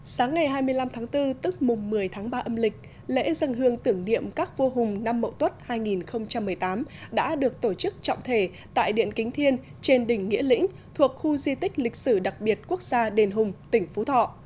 sáng ngày hai mươi năm tháng bốn tức mùng một mươi tháng ba âm lịch lễ dân hương tưởng niệm các vua hùng năm mậu tuất hai nghìn một mươi tám đã được tổ chức trọng thể tại điện kính thiên trên đỉnh nghĩa lĩnh thuộc khu di tích lịch sử đặc biệt quốc gia đền hùng tỉnh phú thọ